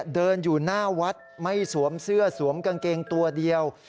เดินอยู่หน้าวัดไม่สวมเสื้อสวมกางเกงตัวเดียว